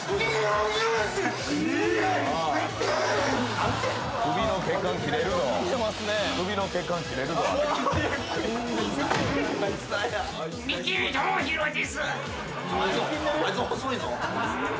あいつ細いぞ。